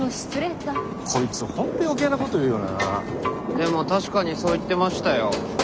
でも確かにそう言ってましたよ。